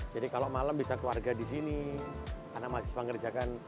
jadi kalau malam bisa keluarga di sini karena mahasiswa ngerjakan